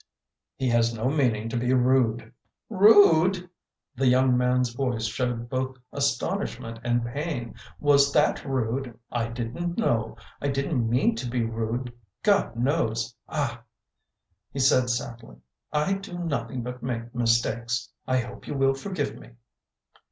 He has no meaning to be rude." "Rude?" The young man's voice showed both astonishment and pain. "Was that rude? I didn't know. I didn't mean to be rude, God knows! Ah," he said sadly, "I do nothing but make mistakes. I hope you will forgive me."